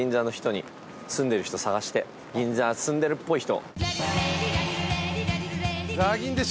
銀座住んでるっぽい人。